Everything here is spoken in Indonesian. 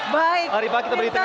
mari pak kita berdiri di tengah